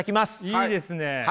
いいですね。